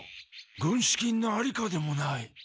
軍資金のありかでもない。